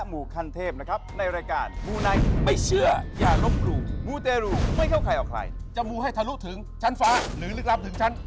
มูนัยสวัสดีครับ